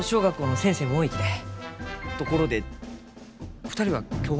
ところで２人は今日は？